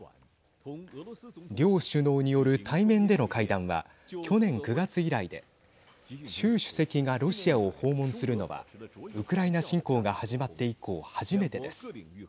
両首脳による対面での会談は去年９月以来で習主席がロシアを訪問するのはウクライナ侵攻が始まって以降初めてです。